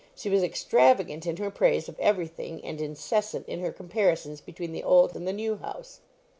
She was extravagant in her praise of every thing, and incessant in her comparisons between the old and the new house.